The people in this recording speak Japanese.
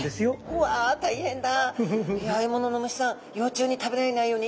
うわ大変だ。